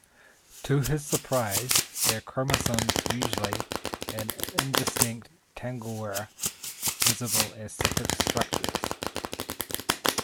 To his surprise, their chromosomes-usually an indistinct tangle-were visible as separate structures.